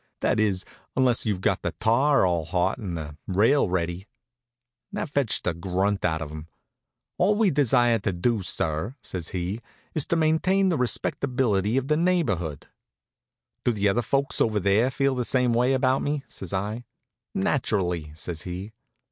That is, unless you've got the tar all hot and the rail ready?" That fetched a grunt out of him. "All we desire to do, sir," says he, "is to maintain the respectability of the neighborhood." "Do the other folks over there feel the same way about me?" says I. "Naturally," says he.